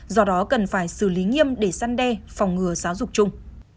do đó cần phải xử lý nghiêm để săn đe phòng ngừa giáo dục chung